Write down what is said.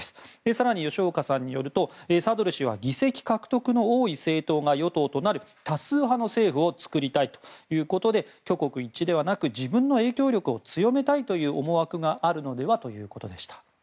更に、吉岡さんによるとサドル師は議席獲得の多い政党が与党となる多数派の政府を作りたいということで挙国一致でなく自分の影響力を強めたい思惑があるのではないかということでした。